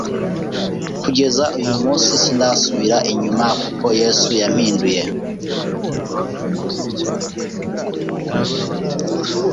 kugeza uyu munsi sindasubira inyuma kuko yesu yampinduye